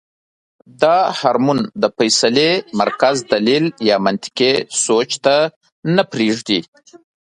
دا هارمون د فېصلې مرکز دليل يا منطقي سوچ ته نۀ پرېږدي -